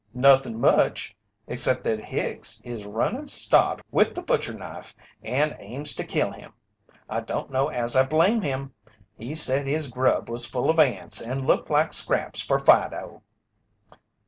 "Nothin' much, except that Hicks is runnin' Stott with the butcher knife and aims to kill him. I don't know as I blame him. He said his grub was full of ants and looked like scraps for Fido."